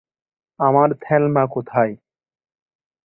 আমার থেলমা কোথায়?